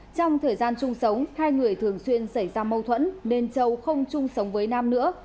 trong thời gian chung sống hai người thường xuyên xảy ra mâu thuẫn nên châu không chung sống với nam nữa